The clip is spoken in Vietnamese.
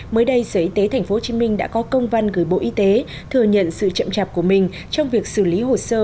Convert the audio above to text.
mới đây sở y tế tp hcm đã có công văn gửi bộ y tế thừa nhận sự chậm chạp của mình trong việc xử lý hồ sơ